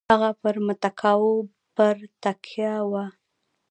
هغه پر متکاوو پر تکیه وه.